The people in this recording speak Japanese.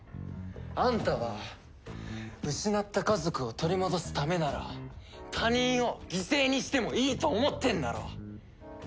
あんたは失った家族を取り戻すためなら他人を犠牲にしてもいいと思ってんだろ？